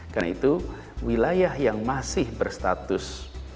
karena itu wilayah yang masih berstatus